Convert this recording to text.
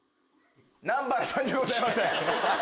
南原さんじゃございません。